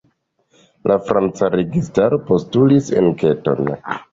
La franca registaro postulis enketon.